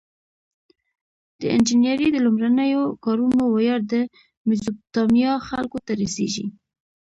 د انجنیری د لومړنیو کارونو ویاړ د میزوپتامیا خلکو ته رسیږي.